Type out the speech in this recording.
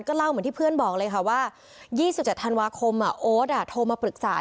เล่าเหมือนที่เพื่อนบอกเลยค่ะว่า๒๗ธันวาคมโอ๊ตโทรมาปรึกษา